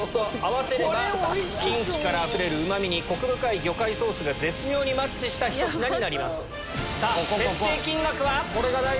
キンキからあふれるうまみにコク深い魚介ソースが絶妙にマッチしたひと品になります。